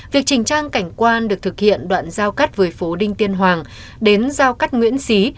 việc chỉnh trang cảnh quan được thực hiện đoạn giao cắt với phố đinh tiên hoàng đến giao cắt nguyễn xí